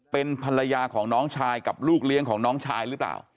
เป็นภรรยาของน้องชายกับลูกเลี้ยงของน้องชายหรือเปล่า